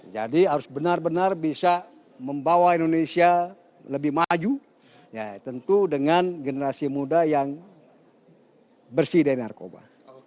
jadi harus benar benar bisa membawa indonesia lebih maju ya tentu dengan generasi muda yang bersih dari narkoba